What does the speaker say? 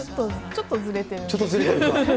ちょっとずれてる？